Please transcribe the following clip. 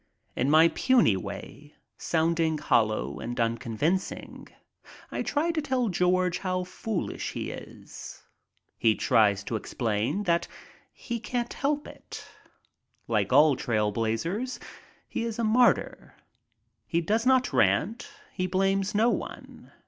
In my puny way, sounding hollow and unconvincing, I try to tell George how foolish he is. He tries to explain that he can't help it. Like all trail blazers, he is a martyr. He does not rant. He blames no one.